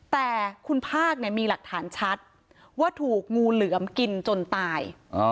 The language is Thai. แต่คุณภาคมีหลักฐานชัดว่าถูกงูเหลือมกินจนตาย